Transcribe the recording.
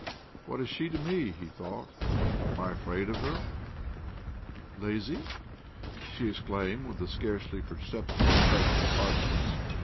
' What is she to me? " hie thougiht. ' Am I afrMd of hfer ?" '■'Lazy,?" she exclaimed with a scarcely pefceptible touch of ardhiness.